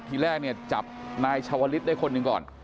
ทีแรกจับนายชาวริสได้คนนึงก่อน